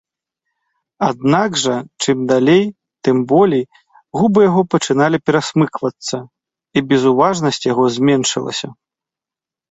Аднак жа, чым далей, тым болей, губы яго пачыналі перасмыквацца, і безуважнасць яго зменшылася.